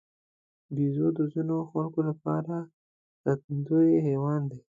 بیزو د ځینو خلکو لپاره ساتندوی حیوان دی.